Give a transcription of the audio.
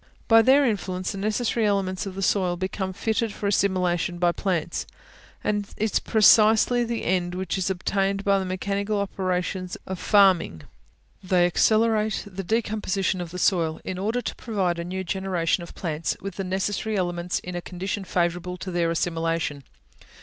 By their influence the necessary elements of the soil become fitted for assimilation by plants; and it is precisely the end which is obtained by the mechanical operations of farming. They accelerate the decomposition of the soil, in order to provide a new generation of plants with the necessary elements in a condition favourable to their assimilation.